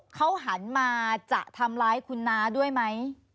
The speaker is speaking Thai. เขาหันมาจะทำร้ายคุณน้าด้วยไหม